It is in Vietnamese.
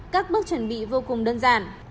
các bước chuẩn bị vô cùng đơn giản